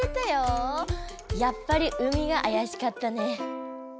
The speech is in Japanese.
やっぱり海があやしかったね。